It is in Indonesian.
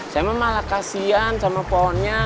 saya emang malah kasian sama pohonnya